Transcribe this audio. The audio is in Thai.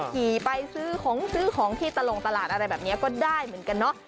ขี่ไปซื้อของซื้อของที่ตลงตลาดอะไรแบบนี้ก็ได้เหมือนกันเนาะ